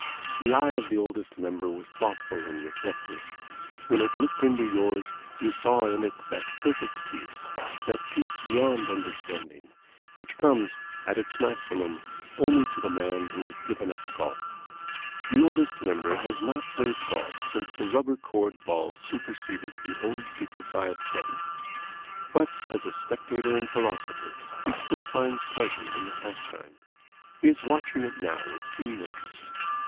The eye of the Oldest Member was thoughtful and reflective. When it looked into yours you saw in it that perfect peace, that peace beyond understanding, which comes at its maximum only to the man who has given up golf. The Oldest Member has not played golf since the rubber cored ball superseded the old dignified gutty. But as a spectator and philosopher he still finds pleasure in the pastime. He is watching it now with keen interest.